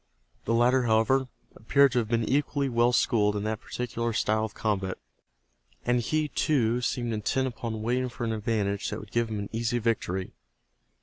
The latter, however, appeared to have been equally well schooled in that particular style of combat, and he, too, seemed intent upon waiting for an advantage that would give him an easy victory.